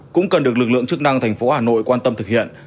cũng cần được lực lượng chức năng thành phố hà nội quan tâm thực hiện